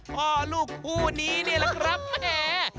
พ่อลูกคู่นี้นี่แหละครับแหม